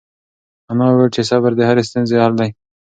انا وویل چې صبر د هرې ستونزې حل دی.